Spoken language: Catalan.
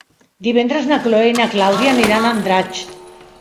Divendres na Chloé i na Clàudia aniran a Andratx.